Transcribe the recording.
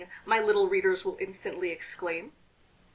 my little readers will instantly exclaim.